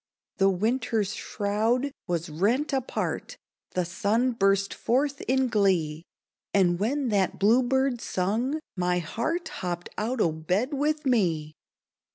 The winter's shroud was rent apart The sun burst forth in glee And when that bluebird sung, my heart Hopped out o' bed with me!